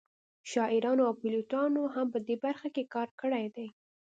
شاعرانو او پیلوټانو هم په دې برخه کې کار کړی دی